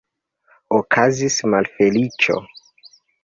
Okazis malfeliĉo!